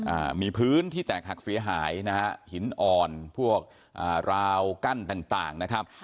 อ่ามีพื้นที่แตกหักเสียหายนะฮะหินอ่อนพวกอ่าราวกั้นต่างต่างนะครับ